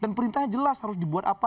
dan perintahnya jelas harus dibuat apa